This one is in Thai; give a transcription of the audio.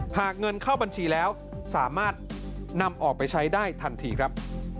หากเงินเข้าบัญชีแล้วสามารถนำออกไปใช้ได้ทันทีครับ